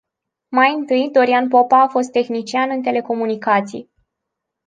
Mai întâi, Dorian Popa a fost tehnician în telecomunicații.